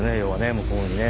向こうにね。